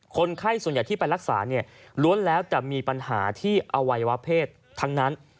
คนไข้ส่วนใหญ่ที่ไปรักษาเนี่ยล้วนแล้วจะมีปัญหาที่อวัยวะเพศทั้งนั้น